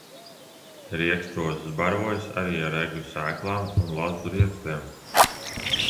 Riekstrozis barojas arī ar egļu sēklām un lazdu riekstiem.